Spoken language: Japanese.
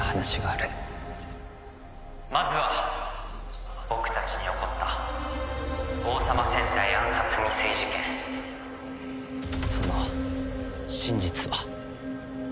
「まずは僕たちに起こった王様戦隊暗殺未遂事件」その真実は。